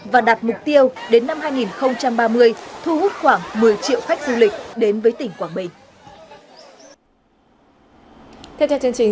và đạt mục tiêu đến năm hai nghìn ba mươi thu hút khoảng một mươi triệu khách du lịch đến với tỉnh quảng bình